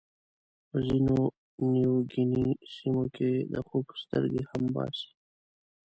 په ځینو نیوګیني سیمو کې د خوک سترګې هم باسي.